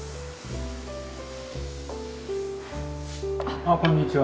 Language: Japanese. あっこんにちは。